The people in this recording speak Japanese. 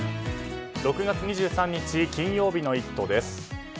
６月２３日、金曜日の「イット！」です。